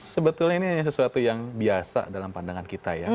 sebetulnya ini hanya sesuatu yang biasa dalam pandangan kita ya